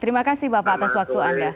terima kasih bapak atas waktu anda